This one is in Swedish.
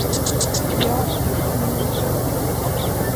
Ja, tack vare min energi.